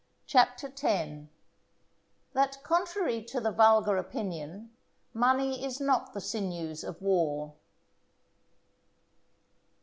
CHAPTER X.—That contrary to the vulgar opinion, Money is not the Sinews of War.